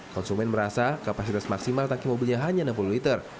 konsumen merasa kapasitas maksimal tangki mobilnya hanya enam puluh liter